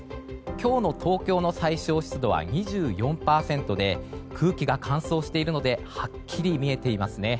今日の東京の最小湿度は２４％で空気が乾燥しているのではっきり見えていますね。